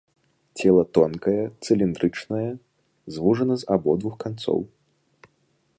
Цела тонкае, цыліндрычнае, звужана з абодвух канцоў.